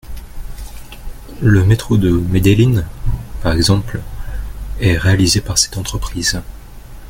Le métro de Medellín, par exemple, est réalisé par cette entreprise.